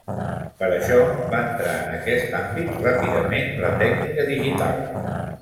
Per això, va entrar en aquest àmbit ràpidament la tècnica digital.